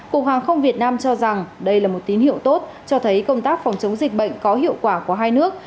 cục hàng không việt nam cho rằng đây là một tín hiệu tốt cho thấy công tác phòng chống dịch bệnh có hiệu quả của hai nước